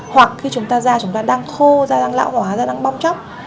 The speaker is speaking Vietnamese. hoặc khi da chúng ta đang khô da đang lão hóa da đang bong tróc